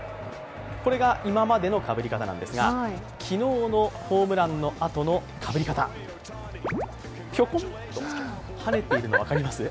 これが今までのかぶり方なんですが昨日のホームランのあとのかぶり方、ぴょこんと、はねているの分かります？